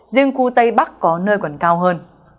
riêng khu tây bắc có nơi còn cao hơn